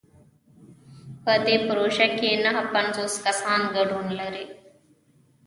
په دې پروژه کې نهه پنځوس کسان ګډون لري.